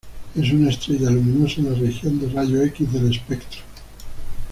Es una estrella luminosa en la región de rayos X del espectro.